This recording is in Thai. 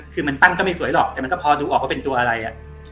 คือมันปั้นก็ไม่สวยหรอกแต่มันก็พอดูออกว่าเป็นตัวอะไร